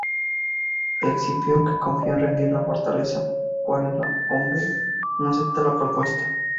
Escipión, que confía en rendir la fortaleza por el hambre, no acepta la propuesta.